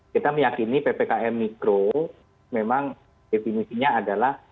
kita meyakini ppkm mikro memang definisinya adalah